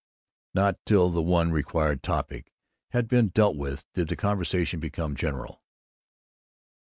Not till the one required topic had been dealt with did the conversation become general.